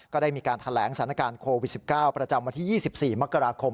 ก็ได้มีการแถลงสถานการณ์โควิด๑๙ประจำวันที่๒๔มกราคม